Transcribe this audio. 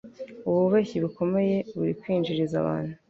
Ububeshyi bukomeye buri kwinjiriza abantu